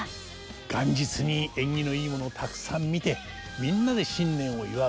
元日に縁起のいい物をたくさん見てみんなで新年を祝う。